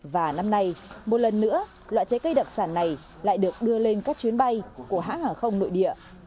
và năm nay một lần nữa loại trái cây đặc sản này lại được đưa lên các chuyến bay của hãng hàng không nội địa